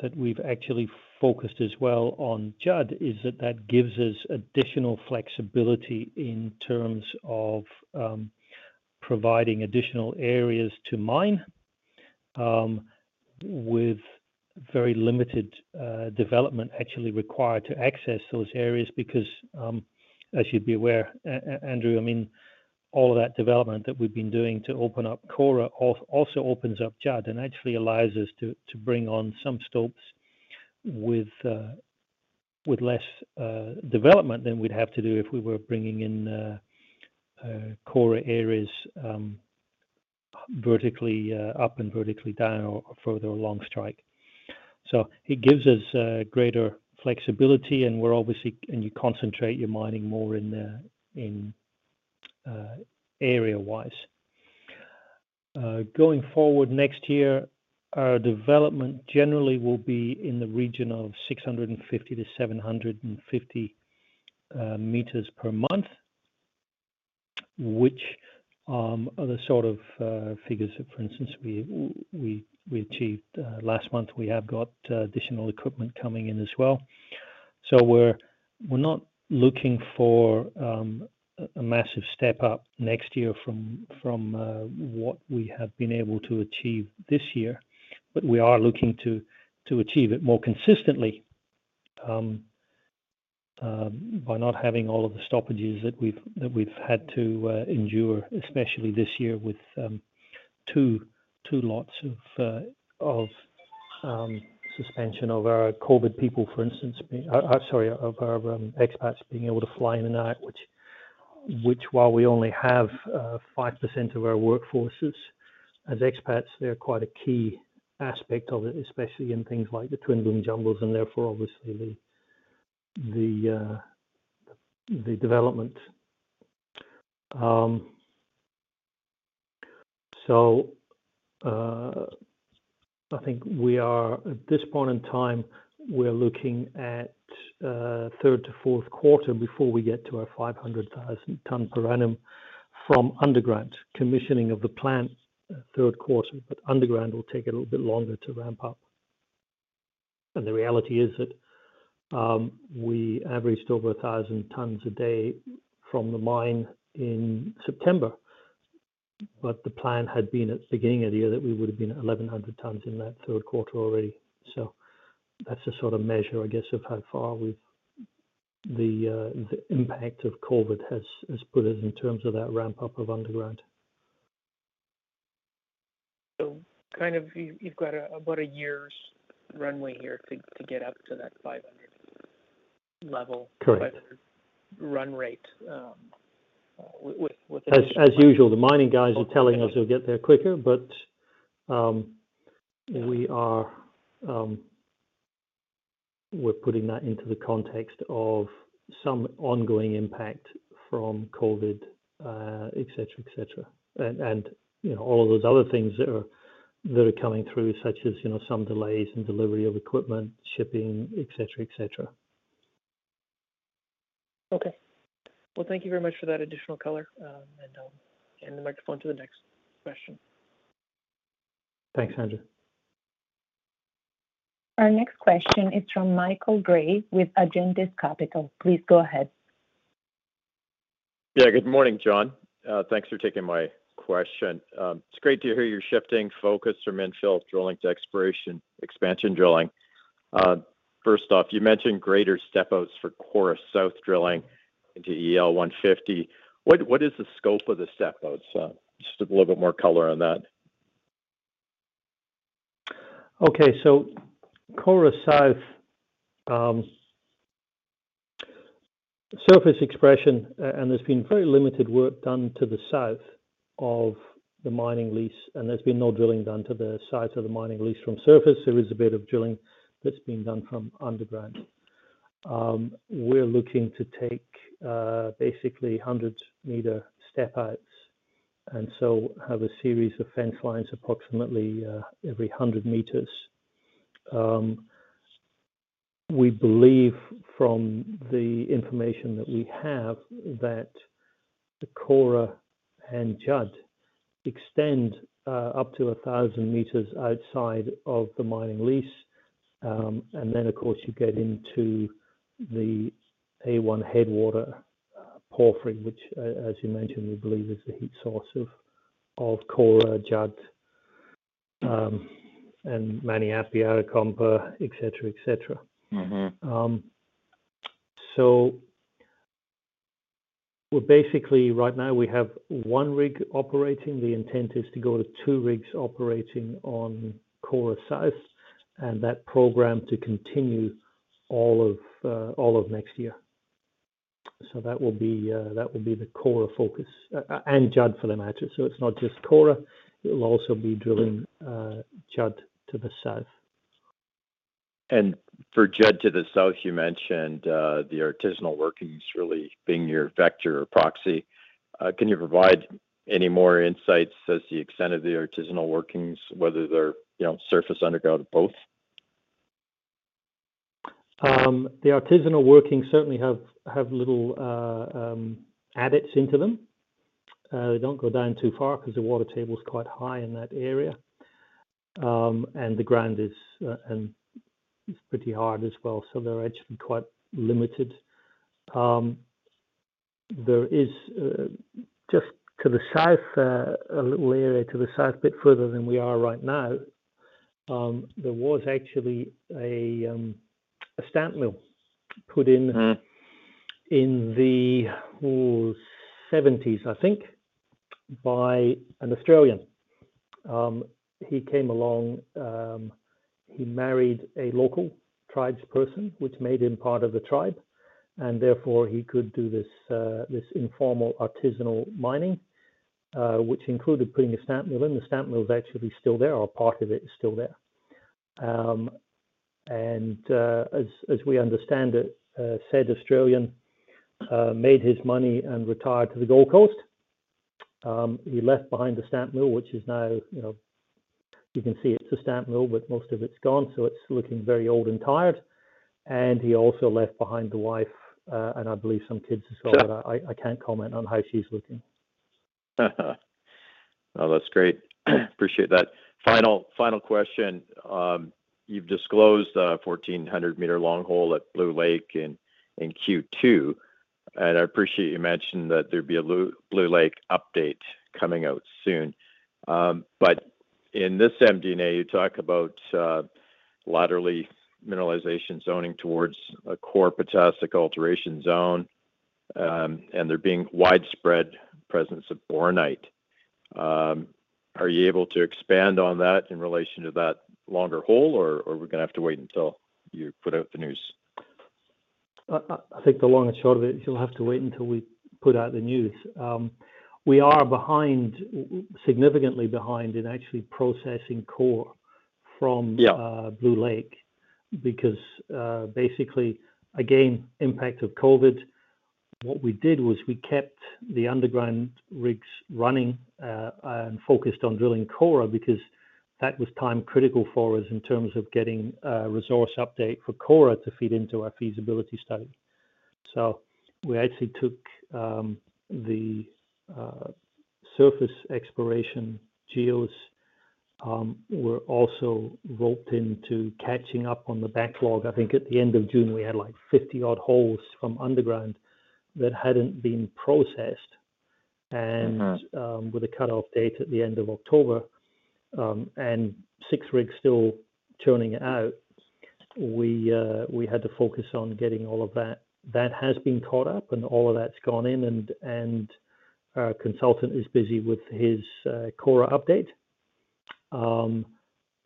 that we've actually focused as well on Judd is that that gives us additional flexibility in terms of providing additional areas to mine with very limited development actually required to access those areas. Because, as you'd be aware, Andrew, I mean, all of that development that we've been doing to open up Kora also opens up Judd and actually allows us to bring on some stopes with less development than we'd have to do if we were bringing in Kora areas vertically up and vertically down or further along strike. It gives us greater flexibility, and we're obviously, and you concentrate your mining more in the area-wise. Going forward next year, our development generally will be in the region of 650-750 m per month, which are the sort of figures that, for instance, we achieved last month. We have got additional equipment coming in as well. We're not looking for a massive step up next year from what we have been able to achieve this year. We are looking to achieve it more consistently by not having all of the stoppages that we've had to endure, especially this year with two lots of suspension of our expats being able to fly in and out, which while we only have 5% of our workforce as expats, they're quite a key aspect of it, especially in things like the twin boom jumbos and therefore obviously the development. I think we are, at this point in time, we're looking at third to fourth quarter before we get to our 500,000 tons per annum from underground. Commissioning of the plant third quarter, but underground will take a little bit longer to ramp up. The reality is that we averaged over 1,000 tons a day from the mine in September. The plan had been at the beginning of the year that we would have been 1,100 tons in that third quarter already. That's a sort of measure, I guess, of how far the impact of COVID has put us in terms of that ramp up of underground. Kind of you've got about a year's runway here to get up to that 500,000 level. Correct. 500 run rate, with. As usual, the mining guys are telling us they'll get there quicker. Yeah We are, we're putting that into the context of some ongoing impact from COVID, et cetera, et cetera. You know, all of those other things that are coming through, such as, you know, some delays in delivery of equipment, shipping, et cetera, et cetera. Okay. Well, thank you very much for that additional color, and I'll hand the microphone to the next question. Thanks, Andrew. Our next question is from Michael Gray with Agentis Capital. Please go ahead. Yeah. Good morning, John. Thanks for taking my question. It's great to hear you're shifting focus from infill drilling to exploration-expansion drilling. First off, you mentioned greater step outs for Kora South drilling into ML 150. What is the scope of the step outs? Just a little bit more color on that. Okay. Kora South, surface expression, and there's been very limited work done to the south of the mining lease, and there's been no drilling done to the south of the mining lease from surface. There is a bit of drilling that's been done from underground. We're looking to take basically 100-m step outs, and so have a series of fence lines approximately every 100 m. We believe from the information that we have that the Kora and Judd extend up to 1,000 m outside of the mining lease. And then of course you get into the A1 Headwater, which as you mentioned, we believe is the heat source of Kora, Judd, and Maniape, Arakompa, et cetera, et cetera. Mm-hmm. We're basically right now we have one rig operating. The intent is to go to two rigs operating on Kora South and that prog to continue all of next year. That will be the Kora focus. And Arakompa for that matter. It's not just Kora. It will also be drilling. Mm-hmm Judd to the south. For Judd to the south, you mentioned the artisanal workings really being your vector or proxy. Can you provide any more insights as to the extent of the artisanal workings, whether they're, you know, surface, underground or both? The artisanal workings certainly have little adits into them. They don't go down too far because the water table is quite high in that area. The ground is pretty hard as well, so they're actually quite limited. There is just to the south a little area to the south, a bit further than we are right now, there was actually a stamp mill put in. Mm-hmm In the 70s, I think, by an Australian. He came along, he married a local tribes person, which made him part of the tribe, and therefore he could do this informal artisanal mining, which included putting a stamp mill in. The stamp mill is actually still there, or part of it is still there. As we understand it, said Australian made his money and retired to the Gold Coast. He left behind the stamp mill, which is now, you know, you can see it's a stamp mill, but most of it's gone, so it's looking very old and tired. He also left behind the wife, and I believe some kids as well. Sure. I can't comment on how she's looking. Oh, that's great. Appreciate that. Final question. You've disclosed a 1,400-m-long hole at Blue Lake in Q2, and I appreciate you mentioning that there'd be a Blue Lake update coming out soon. In this MD&A, you talk about laterally mineralization zoning towards a core potassic alteration zone, and there being widespread presence of bornite. Are you able to expand on that in relation to that longer hole, or we're gonna have to wait until you put out the news? I think the long and short of it, you'll have to wait until we put out the news. We are behind, significantly behind in actually processing core from- Yeah Blue Lake because, basically again, impact of COVID. What we did was we kept the underground rigs running, and focused on drilling Kora because that was time critical for us in terms of getting a resource update for Kora to feed into our feasibility study. We actually took the surface exploration geos were also roped into catching up on the backlog. I think at the end of June, we had like 50-odd holes from underground that hadn't been processed. Mm-hmm. With a cutoff date at the end of October and six rigs still churning out. We had to focus on getting all of that. That has been caught up, and all of that's gone in and our consultant is busy with his core update.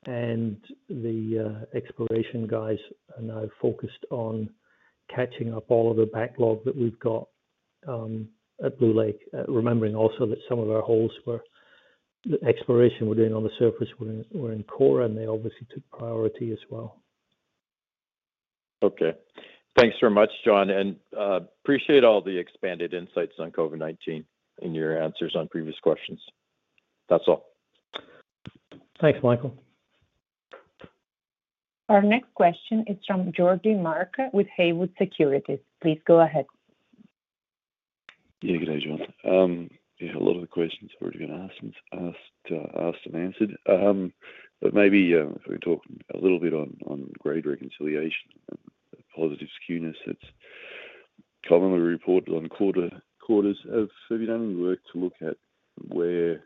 The exploration guys are now focused on catching up all of the backlog that we've got at Blue Lake. Remembering also that the exploration we're doing on the surface were in core, and they obviously took priority as well. Okay. Thanks very much, John, and appreciate all the expanded insights on COVID-19 in your answers on previous questions. That's all. Thanks, Michael. Our next question is from Geordie Mark with Haywood Securities. Please go ahead. Yeah, good day, John. Yeah, a lot of the questions have already been asked and answered. Maybe if we could talk a little bit on grade reconciliation and positive skewness that's commonly reported on quarters. Have you done any work to look at where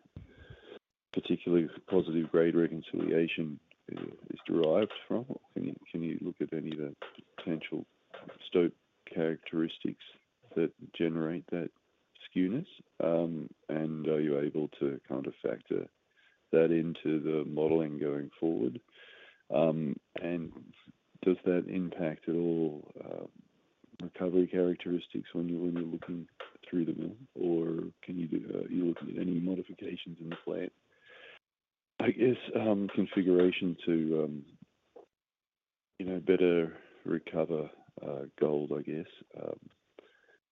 particularly positive grade reconciliation is derived from? Can you look at any of the potential stope characteristics that generate that skewness? Are you able to kind of factor that into the modeling going forward? Does that impact at all recovery characteristics when you're looking through them all? Or are you looking at any modifications in the plant? I guess configuration to you know better recover gold, I guess.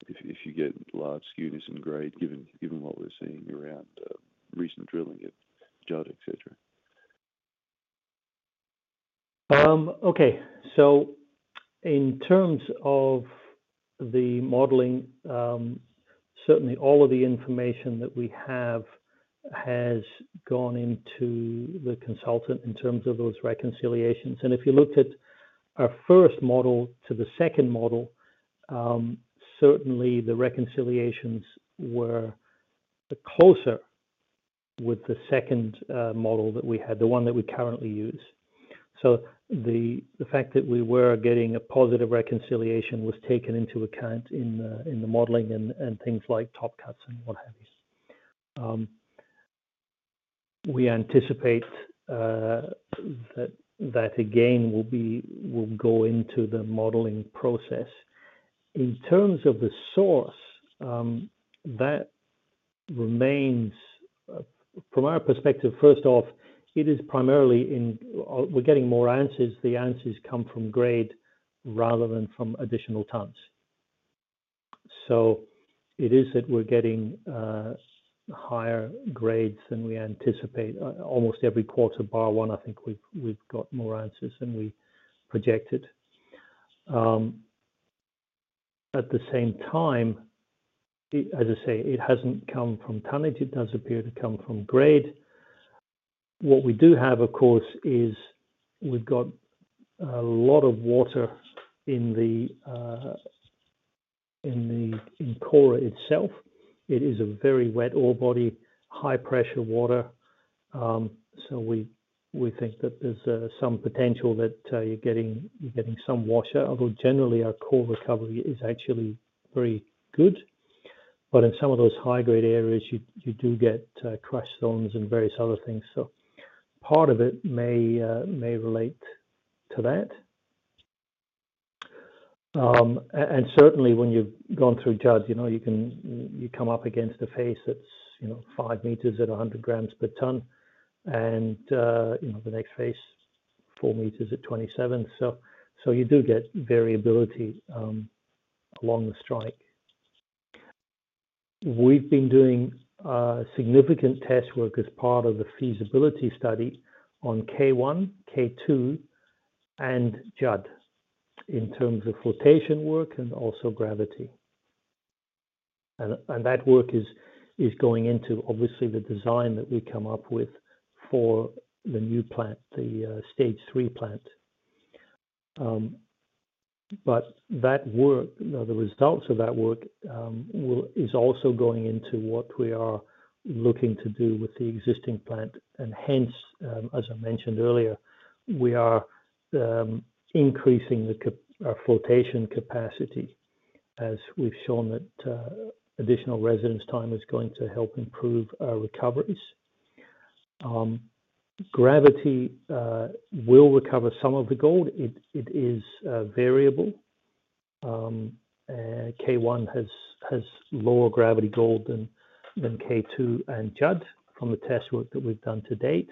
If you get large skewness in grade, given what we're seeing around recent drilling at Judd, et cetera. Okay. In terms of the modeling, certainly all of the information that we have has gone into the model in terms of those reconciliations. If you looked at our first model to the second model, certainly the reconciliations were closer with the second model that we had, the one that we currently use. The fact that we were getting a positive reconciliation was taken into account in the modeling and things like top cuts and what have you. We anticipate that again will go into the modeling process. In terms of the source, that remains from our perspective. First off, we're getting more oz. The oz come from grade rather than from additional tons. It is that we're getting higher grades than we anticipate. Almost every quarter but one, I think we've got more oz than we projected. At the same time, as I say, it hasn't come from tonnage, it does appear to come from grade. What we do have, of course, is we've got a lot of water in the core itself. It is a very wet ore body, high pressure water. We think that there's some potential that you're getting some washout, although generally our core recovery is actually very good. But in some of those high grade areas, you do get crush zones and various other things. Part of it may relate to that. Certainly when you've gone through Judd, you know, you can, you come up against a face that's, you know, 5 m at 100 g per ton, and, you know, the next face 4 m at 27. You do get variability along the strike. We've been doing significant test work as part of the feasibility study on K1, K2, and Judd in terms of flotation work and also gravity. That work is going into obviously the design that we come up with for the new plant, the Stage 3 plant. But that work, now the results of that work, is also going into what we are looking to do with the existing plant. Hence, as I mentioned earlier, we are increasing our flotation capacity as we've shown that additional residence time is going to help improve our recoveries. Gravity will recover some of the gold. It is variable. K1 has lower gravity gold than K2 and Judd from the test work that we've done to date.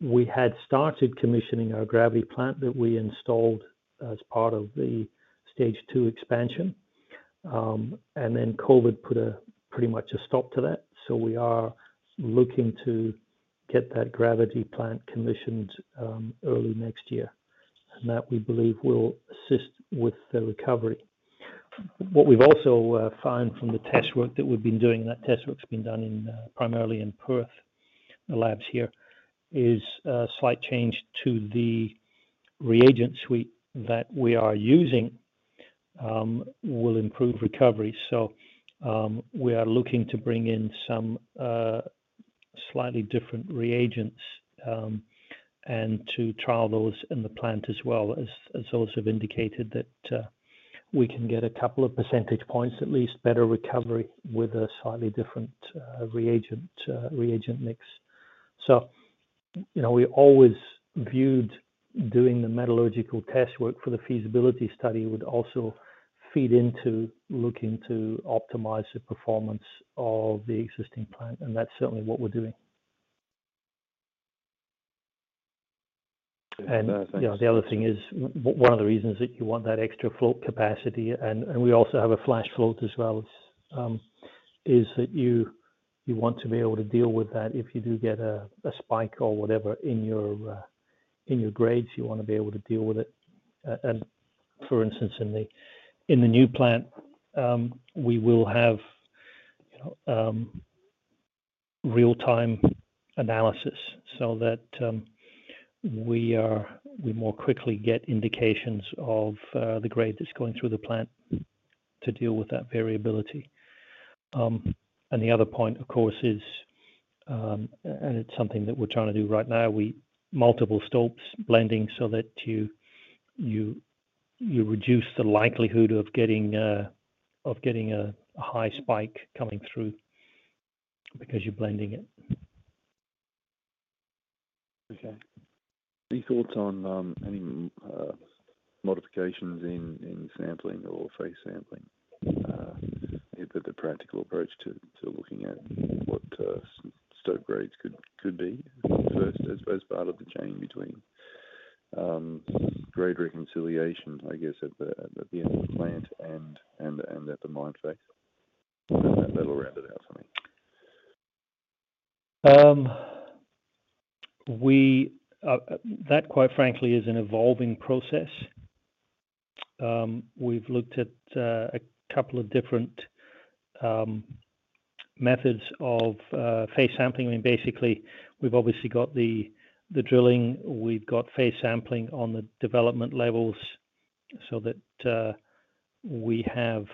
We had started commissioning our gravity plant that we installed as part of the Stage 2 expansion. COVID put pretty much a stop to that. We are looking to get that gravity plant commissioned early next year. That, we believe, will assist with the recovery. What we've also found from the test work that we've been doing, and that test work's been done primarily in Perth, the labs here, is a slight change to the reagent suite that we are using will improve recovery. We are looking to bring in some slightly different reagents and to trial those in the plant as well, as those have indicated that we can get a couple of percentage points, at least better recovery with a slightly different reagent mix. You know, we always viewed doing the metallurgical test work for the feasibility study would also feed into looking to optimize the performance of the existing plant, and that's certainly what we're doing. The other thing is one of the reasons that you want that extra flotation capacity, and we also have a flash flotation as well, is that you want to be able to deal with that if you do get a spike or whatever in your grades. You wanna be able to deal with it. For instance, in the new plant, we will have, you know, real-time analysis so that we more quickly get indications of the grade that's going through the plant to deal with that variability. The other point, of course, is, and it's something that we're trying to do right now, multiple stopes blending so that you reduce the likelihood of getting a high spike coming through because you're blending it. Okay. Any thoughts on any modifications in sampling or face sampling, the practical approach to looking at what stope grades could be first as part of the chain between grade reconciliation, I guess, at the end of the plant and at the mine face? That'll round it out for me. That, quite frankly, is an evolving process. We've looked at a couple of different methods of face sampling. I mean, basically, we've obviously got the drilling. We've got face sampling on the development levels so that we have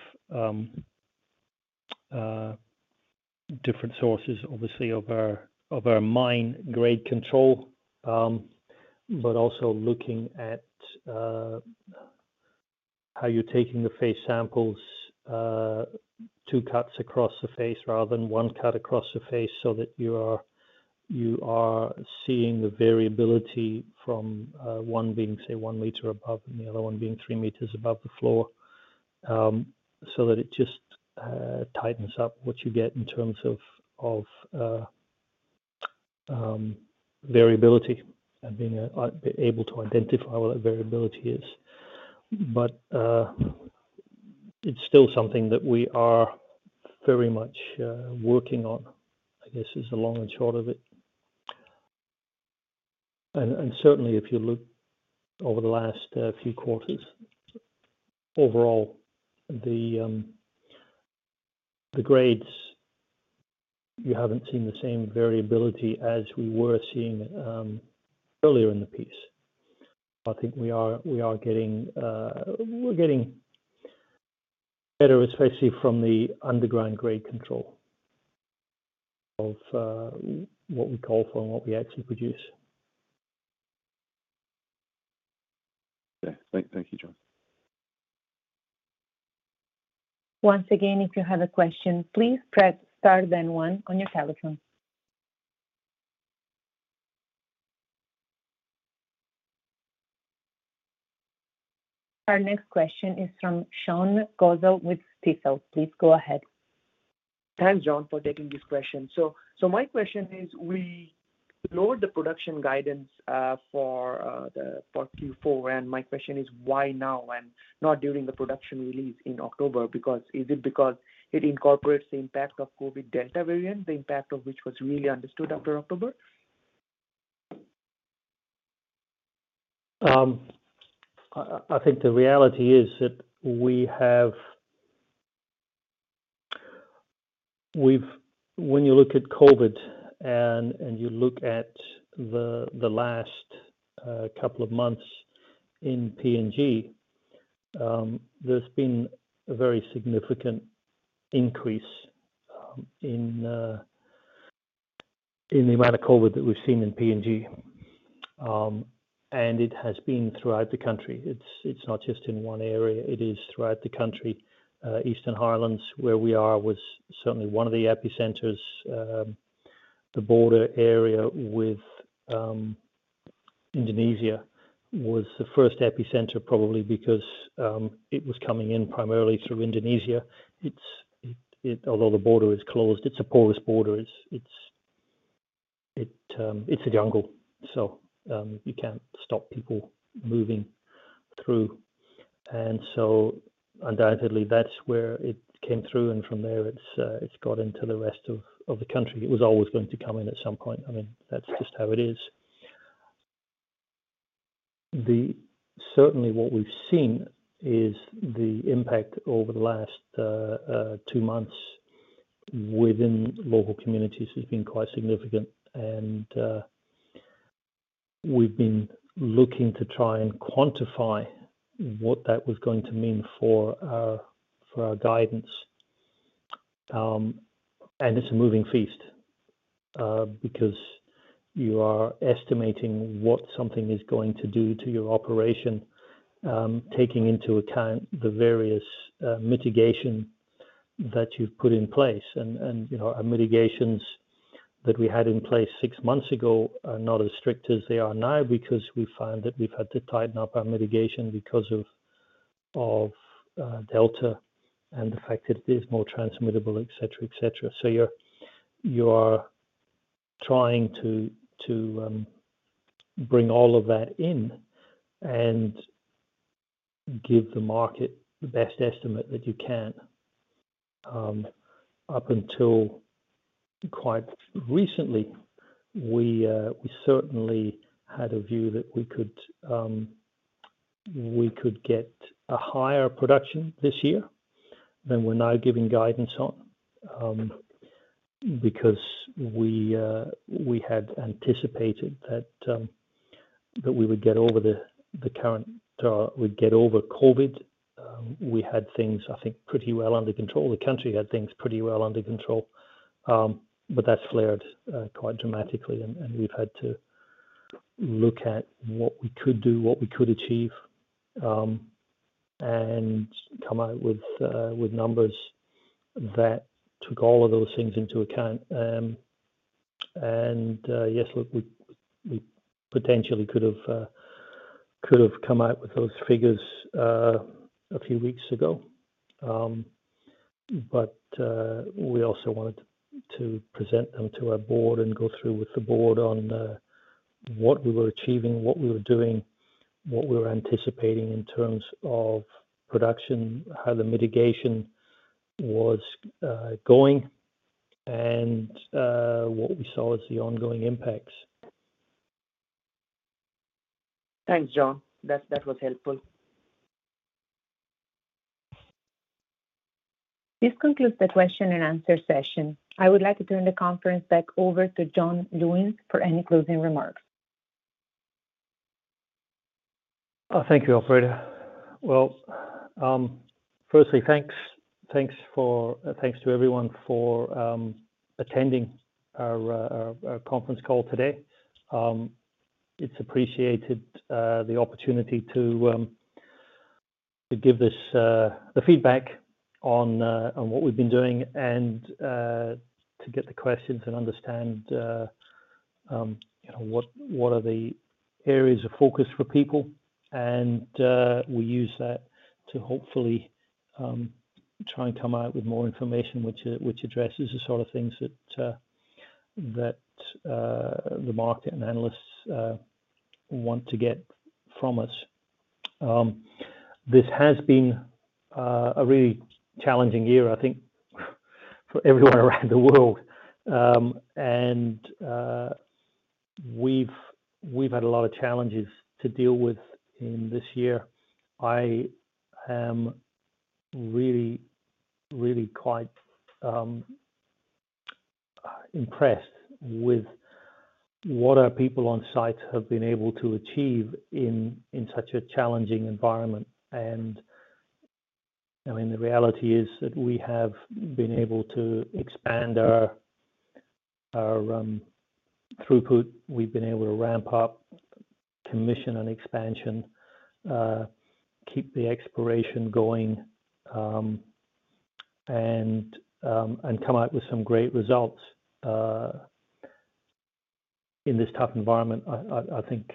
different sources obviously of our mine grade control. Also looking at how you're taking the face samples, two cuts across the face rather than one cut across the face so that you are seeing the variability from one being, say, one m above and the other one being three m above the floor. That just tightens up what you get in terms of variability and being able to identify what that variability is. It's still something that we are very much working on. I guess is the long and short of it. Certainly, if you look over the last few quarters, overall the grades, you haven't seen the same variability as we were seeing earlier in the piece. I think we are getting better, especially from the underground grade control of what we call from what we actually produce. Yeah. Thank you, John. Once again, if you have a question, please press star then one on your telephone. Our next question is from Sean Ghosal with Stifel. Please go ahead. Thanks, John, for taking this question. So my question is, we lowered the production guidance for Q4, and my question is, why now and not during the production release in October? Because is it because it incorporates the impact of COVID Delta variant, the impact of which was really understood after October? I think the reality is that when you look at COVID and you look at the last couple of months in PNG, there's been a very significant increase in the amount of COVID that we've seen in PNG. It has been throughout the country. It's not just in one area. It is throughout the country. Eastern Highlands, where we are, was certainly one of the epicenters. The border area with Indonesia was the first epicenter probably because it was coming in primarily through Indonesia. Although the border is closed, it's a porous border. It's a jungle, so you can't stop people moving through. Undoubtedly that's where it came through, and from there it's got into the rest of the country. It was always going to come in at some point. I mean, that's just how it is. Certainly what we've seen is the impact over the last two months within local communities has been quite significant. We've been looking to try and quantify what that was going to mean for our guidance. It's a moving feast because you are estimating what something is going to do to your operation, taking into account the various mitigation that you've put in place. You know, our mitigations that we had in place six months ago are not as strict as they are now because we find that we've had to tighten up our mitigation because of Delta and the fact that it is more transmittable, et cetera, et cetera. You are trying to bring all of that in and give the market the best estimate that you can. Up until quite recently, we certainly had a view that we could get a higher production this year than we're now giving guidance on, because we had anticipated that we would get over COVID. We had things, I think, pretty well under control. The country had things pretty well under control. That's flared quite dramatically and we've had to look at what we could do, what we could achieve, and come out with numbers that took all of those things into account. Yes, look, we potentially could have come out with those figures a few weeks ago. We also wanted to present them to our board and go through with the board on what we were achieving, what we were doing, what we were anticipating in terms of production, how the mitigation was going, and what we saw as the ongoing impacts. Thanks, John. That was helpful. This concludes the question and answer session. I would like to turn the conference back over to John Lewins for any closing remarks. Oh, thank you, operator. Well, firstly, thanks for attending our conference call today. It's appreciated, the opportunity to give the feedback on what we've been doing and to get the questions and understand, you know, what are the areas of focus for people. We use that to hopefully try and come out with more information which addresses the sort of things that the market and analysts want to get from us. This has been a really challenging year, I think for everyone around the world. We've had a lot of challenges to deal with in this year. I am really quite impressed with what our people on site have been able to achieve in such a challenging environment. I mean, the reality is that we have been able to expand our throughput. We've been able to ramp up commissioning and expansion, keep the exploration going, and come out with some great results in this tough environment. I think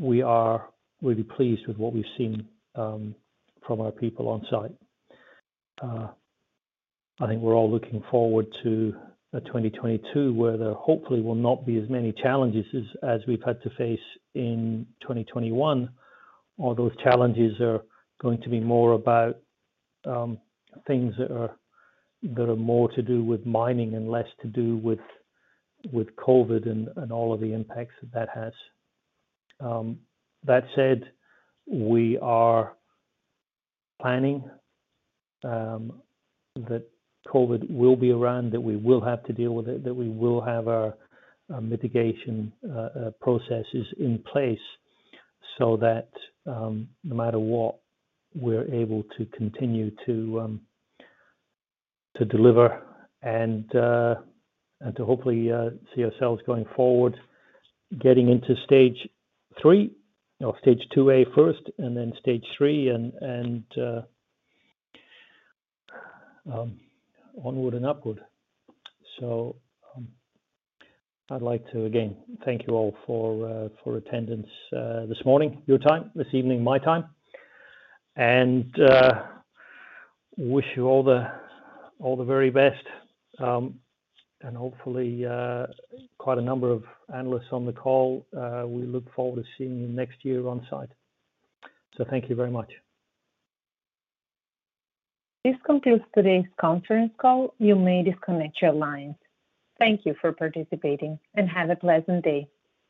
we are really pleased with what we've seen from our people on site. I think we're all looking forward to 2022, where there hopefully will not be as many challenges as we've had to face in 2021, or those challenges are going to be more about things that are more to do with mining and less to do with COVID and all of the impacts that that has. That said, we are planning that COVID will be around, that we will have to deal with it, that we will have our mitigation processes in place so that no matter what, we're able to continue to deliver and to hopefully see ourselves going forward, getting into Stage 3 or Stage 2A first and then Stage 3 and onward and upward. I'd like to again thank you all for attendance this morning your time, this evening my time. I wish you all the very best. Hopefully, quite a number of analysts on the call. We look forward to seeing you next year on site. Thank you very much. This concludes today's conference call. You may disconnect your lines. Thank you for participating and have a pleasant day.